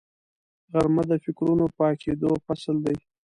غرمه د فکرونو پاکېدو فصل دی